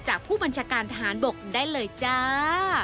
ผู้บัญชาการทหารบกได้เลยจ้า